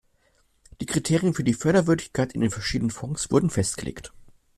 Die Kriterien für die Förderwürdigkeit in den verschiedener Fonds wurden festgelegt.